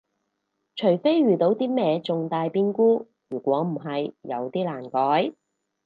除非遇到啲咩重大變故，如果唔係有啲難改